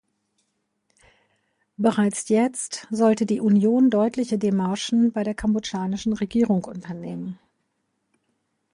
Bereits jetzt sollte die Union deutliche Demarchen bei der kambodschanischen Regierung unternehmen.